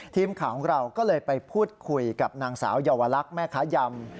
ทีมข่าวของเราก็เลยไปพูดคุยกับนางสาวเยาวลักษณ์แม่ค้ายำ